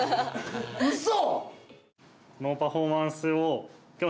うそ！